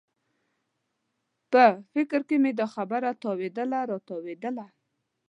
په فکر کې مې دا خبره تاوېدله او راتاوېدله.